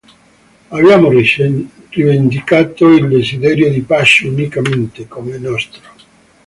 Abbiamo rivendicato il desiderio di pace unicamente come nostro.